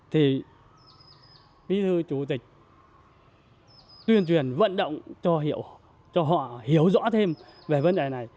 thì bí thư chủ tịch tuyên truyền vận động cho họ hiểu rõ thêm về vấn đề này